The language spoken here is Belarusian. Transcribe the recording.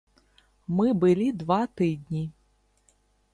Мы былі два тыдні.